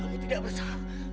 kamu tidak besar